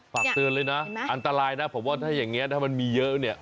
ฝากเตือนเลยนะอันตรายนะผมว่าถ้าอย่างนี้ถ้ามันมีเยอะเนี่ย